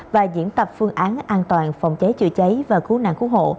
và diễn tập phương án an toàn phòng cháy chữa cháy và cú nạn cú hộ